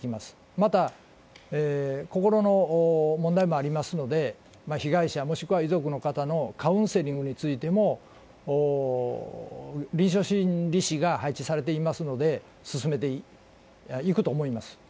また、心の問題もありますので、被害者、もしくは遺族の方のカウンセリングについても、臨床心理士が配置されていますので、進めていくと思います。